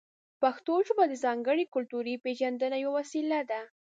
پښتو ژبه د ځانګړې کلتوري پېژندنې یوه وسیله ده.